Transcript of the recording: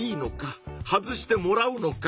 外してもらうのか？